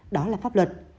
đó là pháp luật